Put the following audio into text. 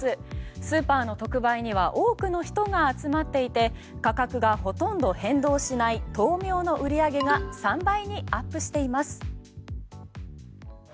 スーパーの特売には多くの人が集まっていて価格がほとんど変動しない豆苗の売り上げが３倍にアップしています。